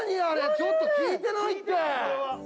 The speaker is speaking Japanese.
ちょっと聞いてないって！